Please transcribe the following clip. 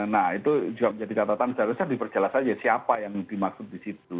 nah itu jadi katatan seharusnya diperjelas aja siapa yang dimaksud disitu